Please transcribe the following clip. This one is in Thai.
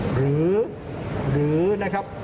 หรือหรือนะครับ